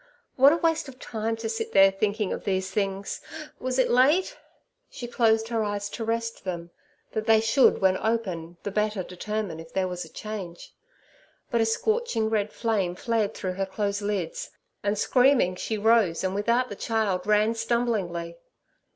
What a waste of time to sit there thinking of these things! Was it late? She closed her eyes to rest them, that they should when open the better determine if there was a change, but a scorching red flame flared through her closed lids, and, screaming, she rose, and, without the child, ran stumblingly.